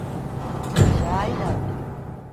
Xa hai data.